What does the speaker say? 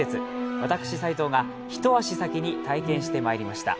私、齋藤が一足先に体験してまいりました。